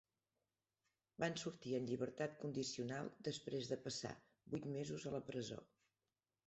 Van sortir en llibertat condicional després de passar vuit mesos a la presó.